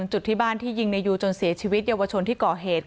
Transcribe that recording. จุดที่บ้านที่ยิงในยูจนเสียชีวิตเยาวชนที่ก่อเหตุ